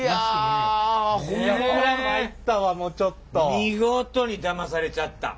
見事にだまされちゃった。